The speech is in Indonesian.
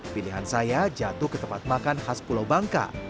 pilihan saya jatuh ke tempat makan khas pulau bangka